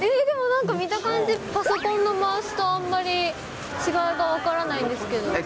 でもなんか見た感じ、パソコンのマウスとあんまり違いが分からないんですけど。